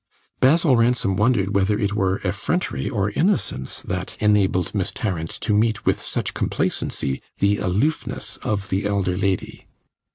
Basil Ransom wondered whether it were effrontery or innocence that enabled Miss Tarrant to meet with such complacency the aloofness of the elder lady.